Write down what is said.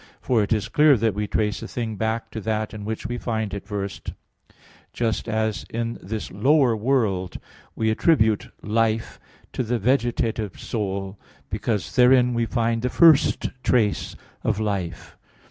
For it is clear that we trace a thing back to that in which we find it first: just as in this lower world we attribute life to the vegetative soul, because therein we find the first trace of life.